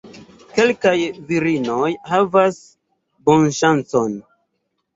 Kelkaj virinoj havas bonŝancon.